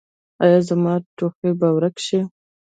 ایا زما ټوخی به ورک شي؟